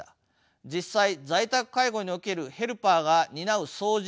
実際在宅介護におけるヘルパーが担う掃除